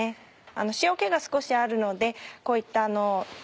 塩気が少しあるのでこういった。